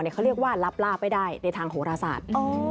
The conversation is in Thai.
เขาเรียกว่ารับลาบไม่ได้ในทางโหรศาสตร์